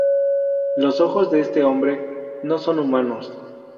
Los ojos de este hombre no son humanos.